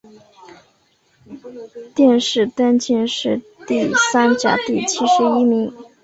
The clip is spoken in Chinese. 殿试登进士第三甲第七十一名。